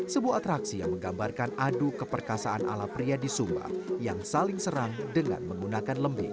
sebuah atraksi yang menggambarkan adu keperkasaan ala pria di sumba yang saling serang dengan menggunakan lembing